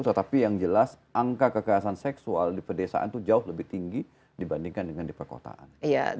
tetapi yang jelas angka kekerasan seksual di pedesaan itu jauh lebih tinggi dibandingkan dengan di perkotaan